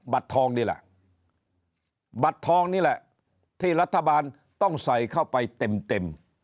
ทองนี่แหละบัตรทองนี่แหละที่รัฐบาลต้องใส่เข้าไปเต็มเต็ม